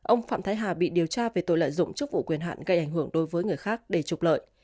ông phạm thái hà bị điều tra về tội lợi dụng chức vụ quyền hạn gây ảnh hưởng đối với người khác để trục lợi